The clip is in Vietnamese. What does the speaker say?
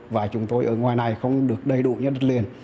và chúng tôi ở ngoài này không được đầy đủ nhân đất liền